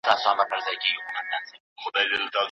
پر شنه ګودر په سره پېزوان کي زنګېدلی نه یم